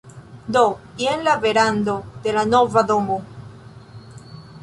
Do, jen la verando de la nova domo